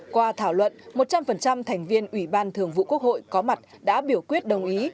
qua thảo luận một trăm linh thành viên ủy ban thường vụ quốc hội có mặt đã biểu quyết đồng ý